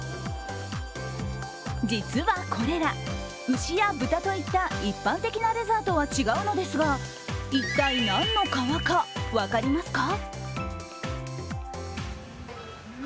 実はこれら、牛や豚といった一般的なレザーとは違うんですが、一体、何の革か、分かりますか？